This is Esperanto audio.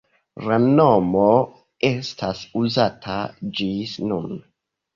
La nomo estas uzata ĝis nun.